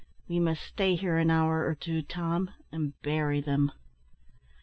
"We must stay here an hour or two, Tom, and bury them."